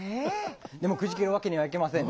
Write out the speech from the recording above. でもくじけるわけにはいきません。